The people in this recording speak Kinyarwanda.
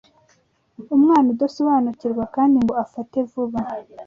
Umwana udasobanukirwa kandi ngo afate vuba,